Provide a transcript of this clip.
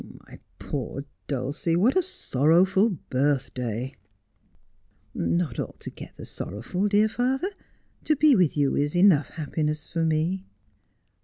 My poor Dulcie, what a sorrowful birthday !' 'Not altogether sorrowful, dear father. To be with you is enough happiness for me.'